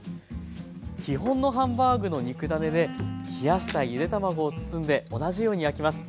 基本のハンバーグの肉ダネで冷やしたゆで卵を包んで同じように焼きます。